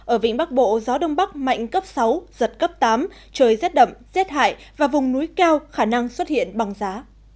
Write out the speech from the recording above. ở vĩnh bắc bộ gió đông bắc mạnh cấp sáu giật cấp tám trời rét đậm rét hại và vùng núi cao khả năng xuất hiện bằng giá